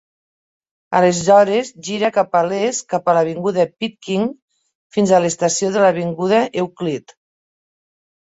Aleshores gira cap a l'est cap a l'Avinguda Pitkin fins a l'estació de l'Avinguda Euclid.